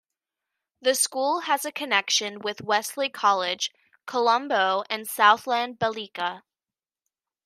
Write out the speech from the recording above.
The School has a connection with Wesley College, Colombo and Southland Balika.